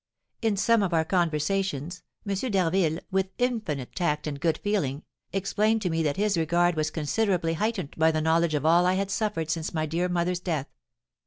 In some of our conversations, M. d'Harville, with infinite tact and good feeling, explained to me that his regard was considerably heightened by the knowledge of all I had suffered since my dear mother's death.